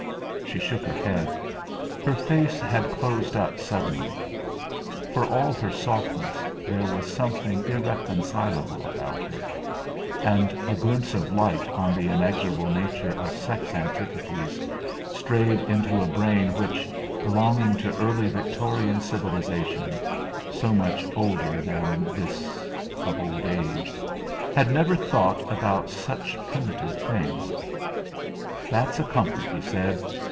She shook her head. Her face had closed up suddenly. For all her softness there was something irreconcilable about her. And a glimpse of light on the inexorable nature of sex antipathies strayed into a brain which, belonging to early Victorian civilisation so much older than this of his old age had never thought about such primitive things. "That's a comfort," he said.